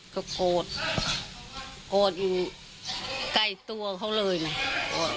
ก็โกรธโกรธอยู่ใกล้ตัวเขาเลยนะ